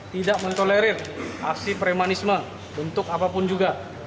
tidak mentolerir aksi premanisme bentuk apapun juga